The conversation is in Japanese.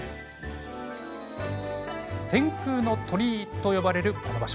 天空の鳥居と呼ばれるこの場所。